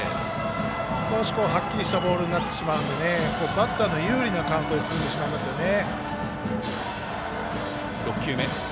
少しはっきりしたボールになってしまうのでバッターの有利なカウントに進んでしまいますよね。